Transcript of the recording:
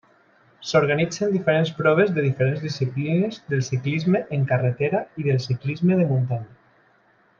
S'organitzen diferents proves de diferents disciplines del ciclisme en carretera i del ciclisme de muntanya.